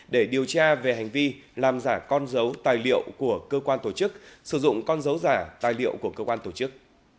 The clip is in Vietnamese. để điều tra về hành vi làm giả con dấu tài liệu của cơ quan tổ chức sử dụng con dấu giả tài liệu của cơ quan tổ chức